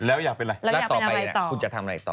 แล้วอยากเป็นอะไรแล้วต่อไปคุณจะทำอะไรต่อ